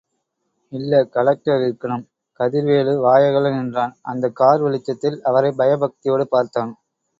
இல்ல கலெக்டர் இருக்கணும்... கதிர்வேலு வாயகல நின்றான்... அந்தக் கார் வெளிச்சத்தில் அவரைப் பயபக்தியோடு பார்த்தான்.